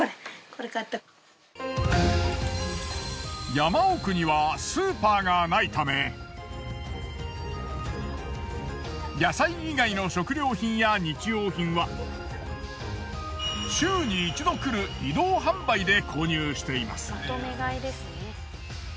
山奥にはスーパーがないため野菜以外の食料品や日用品は週に一度来る移動販売で購入しています。